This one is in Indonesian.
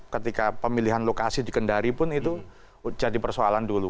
ketika pemilihan lokasi dikendari pun itu jadi persoalan dulu